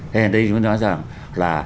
thế nên đây chúng ta nói rằng là